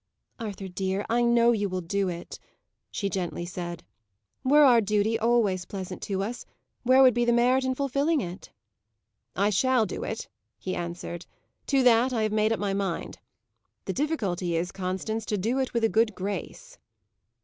"Arthur dear, I know you will do it," she gently said. "Were our duty always pleasant to us, where would be the merit in fulfilling it?" "I shall do it," he answered. "To that I have made up my mind. The difficulty is, Constance, to do it with a good grace."